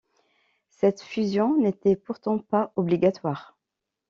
Cette fusion n'était pourtant pas obligatoire.